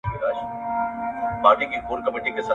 مستبدې واکمنۍ له لښکرو نه، بلکې د پوهانو له خبرو ویریږي.